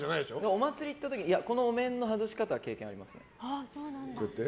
お祭り行った時このお面の外し方は経験ありますね。